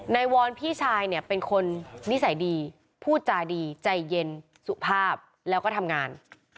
วอนพี่ชายเนี่ยเป็นคนนิสัยดีพูดจาดีใจเย็นสุภาพแล้วก็ทำงาน